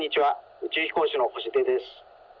宇宙飛行士の星出です。